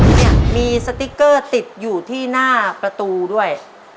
เนี่ยมีสติ๊กเกอร์ติดอยู่ที่หน้าประตูด้วย